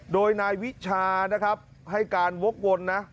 โดยนายวิชานะครับให้การวกวนนะ